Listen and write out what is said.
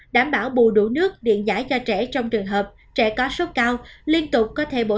đảm bảo bù đủ nước điện giải cho trẻ trong trường hợp trẻ có sốc cao liên tục có thể bổ